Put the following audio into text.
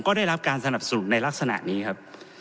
ก็ได้รับการสนับสนุนในลักษณะนี้ครับ